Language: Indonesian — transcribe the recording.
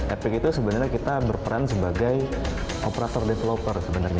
epic itu sebenarnya kita berperan sebagai operator developer sebenarnya